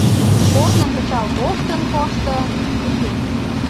Корным кычал коштын-коштын, уке!